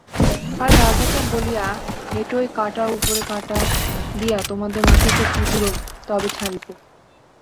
কাল রাজাকে বলিয়া হেঁটোয় কাঁটা উপরে কাঁটা দিয়া তোমাদের মাটিতে পুঁতিব তবে ছাড়িব।